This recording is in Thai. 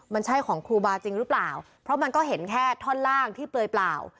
มันใช่ของครูบาจริงหรือเปล่าเพราะมันก็เห็นแค่ท่อนล่างที่เปลือยเปล่า